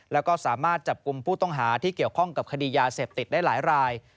แล้วก็สามารถจับกลุ่มผู้ต้องหาที่เกี่ยวข้องกับคดียาเสพติดได้หลายราย